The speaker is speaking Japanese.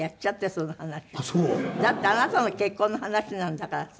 だってあなたの結婚の話なんだからさ。